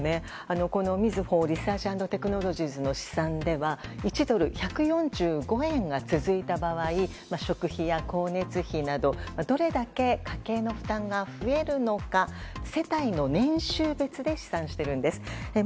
みずほリサーチ＆テクノロジーズの試算では１ドル＝１４５円が続いた場合食費や光熱費などどれだけ家計の負担が増えるのか世帯の年収別で試算しているんです。